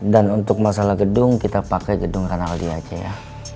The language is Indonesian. dan untuk masalah gedung kita pakai gedung rinaldi aja ya